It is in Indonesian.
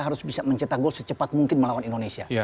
harus bisa mencetak gol secepat mungkin melawan indonesia